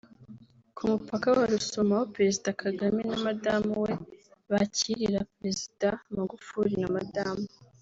Ku mupaka wa Rusumo aho Perezida Kagame na Madamu we bakirira Perezida Magufuli na Madamu